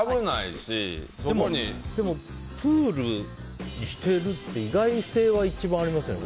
でも、プールにしてるって意外性は一番ありますよね。